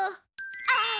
ああ！